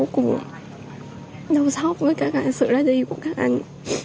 mọi người đều vô cùng đau xóc với sự ra đi của các anh